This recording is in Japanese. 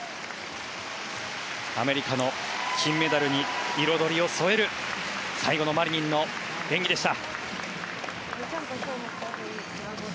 アメリカの金メダルに彩りを添える最後のマリニンの演技でした。